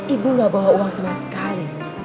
ibu gak bawa uang sama sekali